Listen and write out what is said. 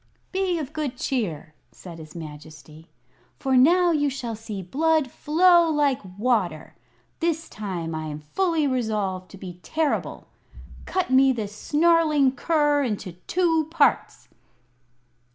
"Be of good cheer," said his Majesty, "for now you shall see blood flow like water. This time I am fully resolved to be terrible. Cut me this snarling cur into two parts!"